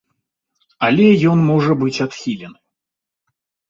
Але ён можа быць адхілены.